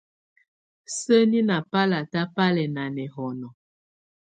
Sǝ́ni ná balata bá lɛ ná nɛhɔnɔ.